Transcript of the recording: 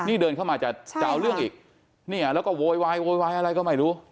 นี่เดินเข้ามาจะเอาเรื่องอีกเนี่ยแล้วก็โวยวายโวยวายอะไรก็ไม่รู้